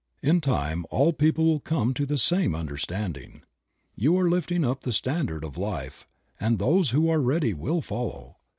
In time all people will come to the same understanding. You are lifting up the standard of life, and those who are ready will follow.